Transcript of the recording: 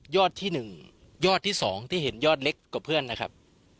ยอดที่หนึ่งยอดที่สองที่เห็นยอดเล็กกว่าเพื่อนนะครับ